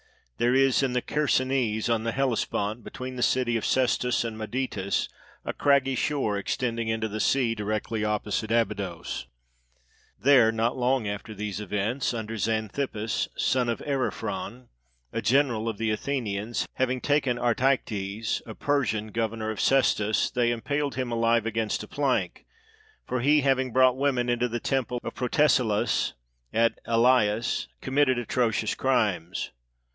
There is in the Chersonese on the Hellespont, between the city of Sestos and Madytus, a craggy shore extending into the sea, directly opposite Abydos: there, not long after these events, under Xanthippus, son of Ariphron, a general of the Athenians, having taken Artayctes, a Persian, governor of Sestos, they impaled him alive against a plank ; for he, having brought women into the temple of Protesilaus at Elaeus, committed atrocious crimes.